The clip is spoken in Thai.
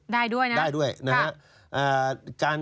ได้ด้วยนะครับได้ด้วยนะครับ